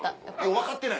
分かってない。